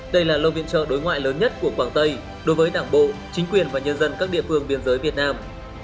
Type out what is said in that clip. đây là lâu viện trợ đối ngoại lớn nhất của quảng tây đối với đảng bộ chính quyền và nhân dân các địa phương biên giới việt nam